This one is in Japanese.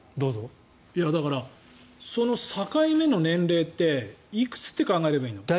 だから、その境目の年齢っていくつって考えればいいの？